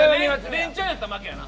レンチャン食らったら負けやな。